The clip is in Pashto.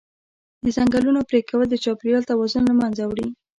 د ځنګلونو پرېکول د چاپېریال توازن له منځه وړي.